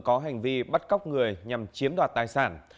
có hành vi bắt cóc người nhằm chiếm đoạt tài sản